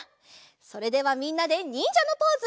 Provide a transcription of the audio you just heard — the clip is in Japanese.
それではみんなでにんじゃのポーズ。